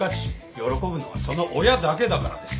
喜ぶのはその親だけだからです。